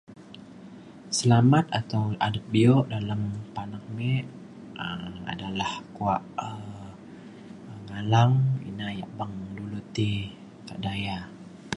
selamat atau adet bio dalem panak me um adalah kuak um ngalang ina yak beng dulu ti kak daya